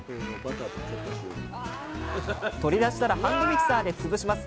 取り出したらハンドミキサーで潰します。